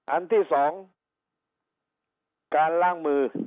อันที่สอง